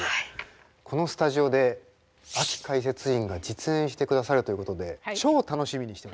このスタジオでアキかいせついんが実演してくださるということで超楽しみにしております。